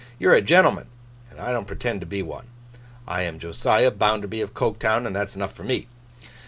You're a gentleman, and I don't pretend to be one. I am Josiah Bounderby of Coketown, and that's enough for me.